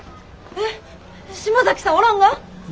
えっ島崎さんおらんが？